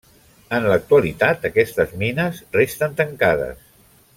En l'actualitat aquestes mines resten tancades.